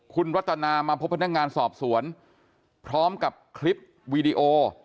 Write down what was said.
คุณรัตนามาพบพนักงานสอบสวนพร้อมกับคลิปวีดีโอ